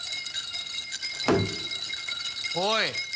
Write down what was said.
おい！